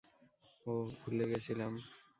ওহ, ভুলে গেছিলাম।